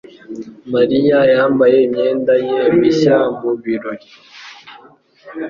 Mariya yambaye imyenda ye mishya mu birori.